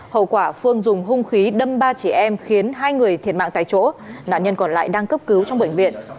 hậu quả phương dùng hung khí đâm ba chị em khiến hai người thiệt mạng tại chỗ nạn nhân còn lại đang cấp cứu trong bệnh viện